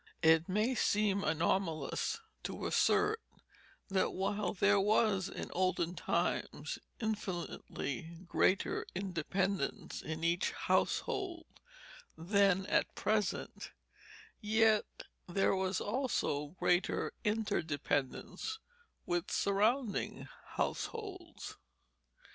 It may seem anomalous to assert that while there was in olden times infinitely greater independence in each household than at present, yet there was also greater interdependence with surrounding households.